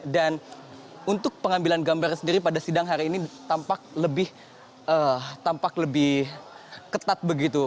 dan untuk pengambilan gambar sendiri pada sidang hari ini tampak lebih ketat begitu